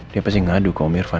dia pasti ngadu ke om irfan